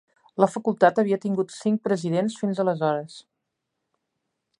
La facultat havia tingut cinc presidents fins aleshores.